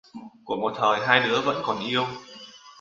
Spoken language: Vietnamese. Của một thời hai đứa vẫn còn yêu...